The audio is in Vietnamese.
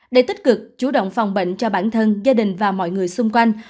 để tích cực chủ động phòng bệnh cho bản thân gia đình và mọi người xung quanh